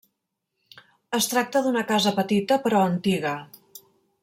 Es tracta d'una casa petita, però antiga.